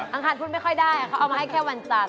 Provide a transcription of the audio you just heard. อางคราจะพูดไม่ค่อยได้คนมาให้แค่วันทัน